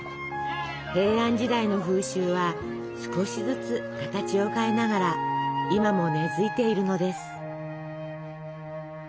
平安時代の風習は少しずつ形を変えながら今も根づいているのです。